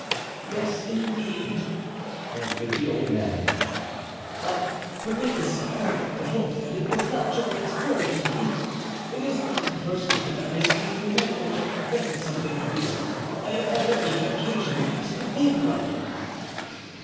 "Yes, indeed," answered the old man; "but permit me, sire, to hope that it was not your last word to me. It is not, the first time that I see you or beg something of you. I have already had occasion to ask a favour of you."